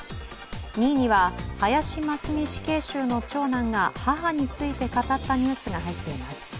２位には、林真須美死刑囚の長男が母について語ったニュースが入っています。